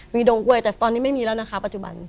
ดงกล้วยแต่ตอนนี้ไม่มีแล้วนะคะปัจจุบัน